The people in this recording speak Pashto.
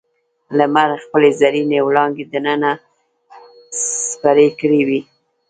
لمر خپلې زرینې وړانګې دننه خپرې کړې وې.